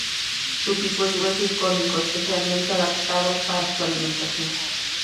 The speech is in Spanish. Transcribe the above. Su pico es grueso y cónico, especialmente adaptado para su alimentación.